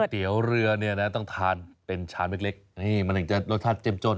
เตี๋ยวเรือเนี่ยนะต้องทานเป็นชามเล็กมันถึงจะรสชาติเจ้มจ้น